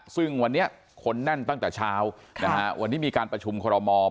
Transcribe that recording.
ซึ่งวันนี้คนแน่นตั้งแต่เช้าวันนี้มีการประชุมคอรมอล